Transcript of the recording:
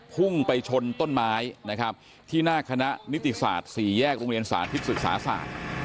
พุ่งไปชนต้นไม้นะครับที่หน้าคณะนิติศาสตร์๔แยกโรงเรียนสาธิตศึกษาศาสตร์